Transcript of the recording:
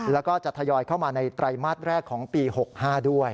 แล้วก็จะทยอยเข้ามาในไตรมาสแรกของปี๖๕ด้วย